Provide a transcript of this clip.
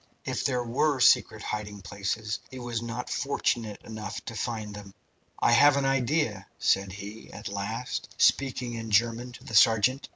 If there were secret hiding places, he was not fortunate enough to find them. "I have an idea," said he, at last, speaking in German to the sergeant.